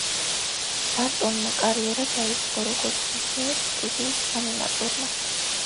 ბარტონმა კარიერა დაიწყო, როგორც დისნეის სტუდიის ანიმატორმა.